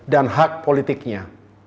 dan hak politiknya